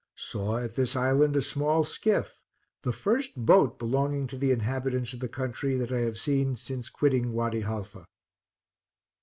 Saw at this island a small skiff, the first boat belonging to the inhabitants of the country that I have seen since quitting Wady Halfa.